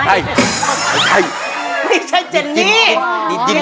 ไม่ใช่เจนนี่